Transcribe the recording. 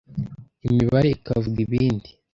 imibare ikavuga ibindi